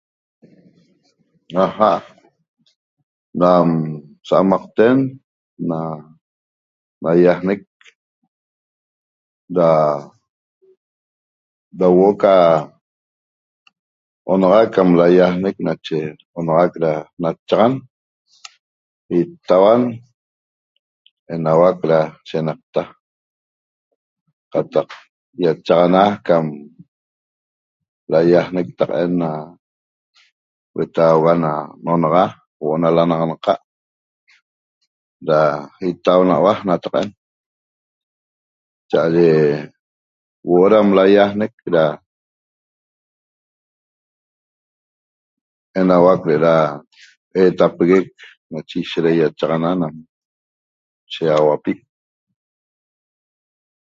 Ajá dam sa'amaqten na naÿajnec da huo'o ca onaxaic cam laÿajnec nache onaxaic da nachaxan itauan enuac da shenaqta qataq ÿachaxana cam laÿajnec taq'en na huetauga na n'onaxa huo'o na lanaxanqa' da itaunau'a nataq'en cha'aye huo'o dam laÿajnec da enauac de'eda eetapeguec nache ishet da ÿachaxana enauac na shiÿaxauapi